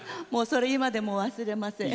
それ、今でも忘れません。